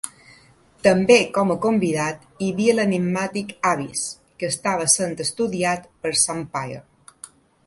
També com a "convidat" hi havia l'enigmàtic Abyss, que estava sent estudiat per Sunpyre.